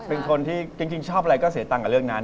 เป็นคนที่จริงชอบอะไรก็เสียตังค์กับเรื่องนั้น